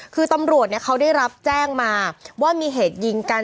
คือตำรวจเขาได้รับแจ้งมาว่ามีเหตุยิงกัน